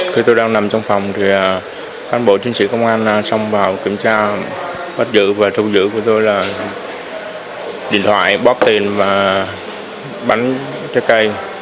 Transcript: khi tôi đang nằm trong phòng thì phán bộ chiến sĩ công an xong vào kiểm tra bắt giữ và thu giữ của tôi là điện thoại bóp tiền và bánh trái cây